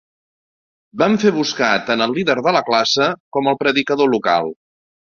Van fer buscar tant el líder de la classe com el predicador local.